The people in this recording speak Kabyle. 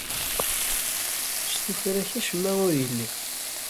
S tuffra-k acemma ur yelli.